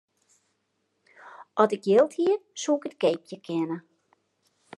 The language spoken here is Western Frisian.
As ik jild hie, soe ik it keapje kinne.